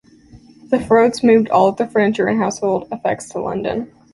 The Freuds moved all their furniture and household effects to London.